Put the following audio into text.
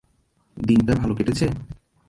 দিনটা ভালো কেটেছে?